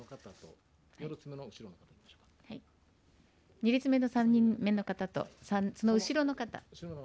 ２列目の３人目の方と、その後ろの方。